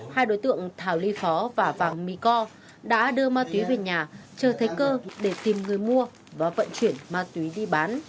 hai đối tượng thảo ly phó và vàng mi co đã đưa ma túy về nhà chờ thấy cơ để tìm người mua và vận chuyển ma túy đi bán